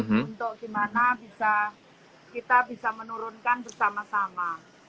untuk gimana bisa kita bisa menurunkan bersama sama